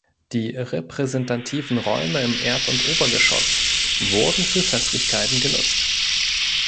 Die repräsentativen Räume im Erd- und Obergeschoss wurden für Festlichkeiten genutzt.